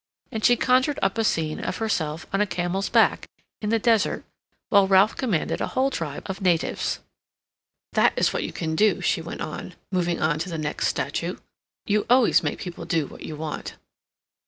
And she conjured up a scene of herself on a camel's back, in the desert, while Ralph commanded a whole tribe of natives. "That is what you can do," she went on, moving on to the next statue. "You always make people do what you want."